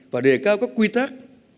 và đề cao các quy tắc